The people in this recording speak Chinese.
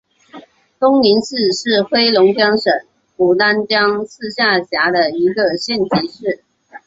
东宁市是黑龙江省牡丹江市下辖的一个县级市。